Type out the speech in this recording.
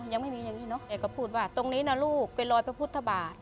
ยังไม่มีอย่างนี้เขาก็พูดว่าตรงนี้นะลูกก็ยอยพิทธบาท